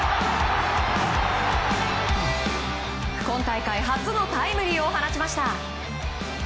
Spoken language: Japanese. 今大会初のタイムリーを放ちました。